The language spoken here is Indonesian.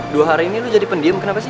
dua hari ini lu jadi pendiem kenapa sih